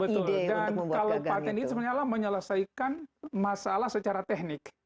betul dan kalau patent itu sebenarnya menyelesaikan masalah secara teknik